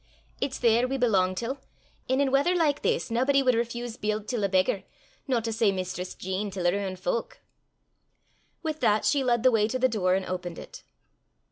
"It's there we belang till, an' in wather like this naebody wad refeese bield till a beggar, no to say Mistress Jean till her ain fowk." With that she led the way to the door and opened it.